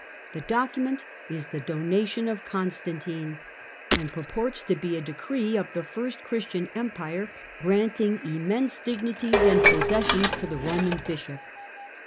The document is the Donation of Gonstantine, and purports to be a decree of the first Christian Empire, granting immense dignities and possessions to the Roman bishop.